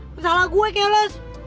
masalah gue kayak lo